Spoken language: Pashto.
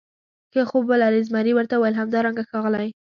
ښه خوب ولرې، زمري ورته وویل: همدارنګه ښاغلی.